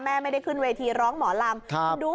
ไม่ได้ขึ้นเวทีร้องหมอลำ